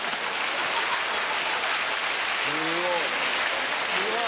すごい。